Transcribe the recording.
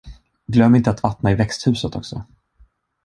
Glöm inte att vattna i växthuset också.